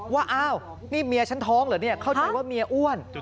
ว่าอ้าวนี่เมียฉันท้องเหรอเนี่ยเข้าใจว่าเมียอ้วน